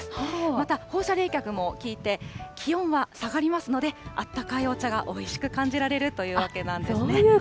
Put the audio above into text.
また、放射冷却もきいて、気温は下がりますので、あったかいお茶がおいしく感じられるというわけなんですね。